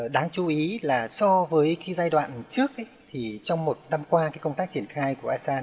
đáng chú ý là so với cái giai đoạn trước thì trong một năm qua công tác triển khai của asean